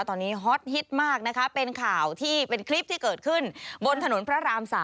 ตอนนี้ฮอตฮิตมากนะคะเป็นข่าวที่เป็นคลิปที่เกิดขึ้นบนถนนพระราม๓